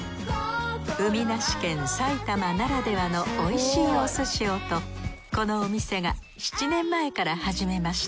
海なし県埼玉ならではのおいしいお寿司をとこのお店が７年前から始めました